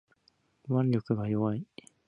握力が弱い